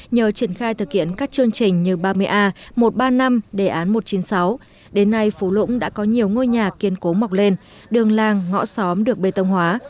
nhờ triển khai thực hiện các chương trình như ba mươi a một trăm ba mươi năm đề án một trăm chín mươi sáu đến nay phú lũng đã có nhiều ngôi nhà kiên cố mọc lên đường làng ngõ xóm được bê tông hóa